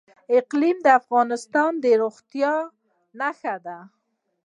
اقلیم د افغانستان د زرغونتیا نښه ده.